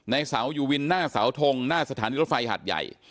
เสาอยู่วินหน้าเสาทงหน้าสถานีรถไฟหัดใหญ่